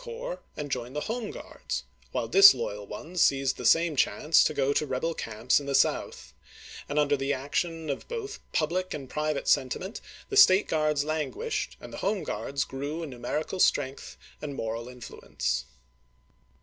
corps and to join the Home Guards, while disloyal ones seized the same chance to go to rebel camps in the South ; and under the action of both public and private sentiment the State Guards languished and the Home Guards grew in numerical strength and moral influence.